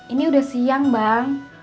ini udah siang bang